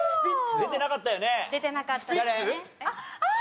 出てなかったです。